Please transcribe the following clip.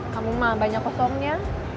kamu mah banyak kosongnya